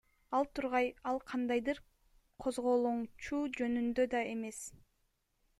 Ал тургай ал кандайдыр козголоңчу жөнүндө да эмес.